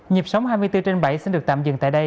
nhịp sống hai mươi bốn trên bảy xin được tạm dừng tại đây